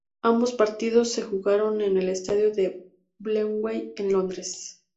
Ambos partidos se jugaron en el Estadio de Wembley en Londres.